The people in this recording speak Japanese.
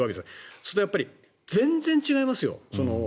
そうすると、全然違いますよ。